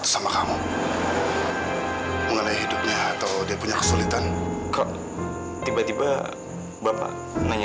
sampai jumpa di video selanjutnya